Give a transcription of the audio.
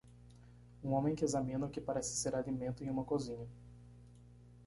Um homem que examina o que parece ser alimento em uma cozinha.